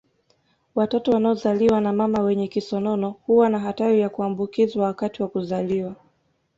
Watoto wanaozaliwa na mama wenye kisonono huwa na hatari ya kuambukizwa wakati wa kuzaliwa